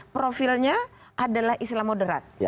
profilnya adalah istilah moderat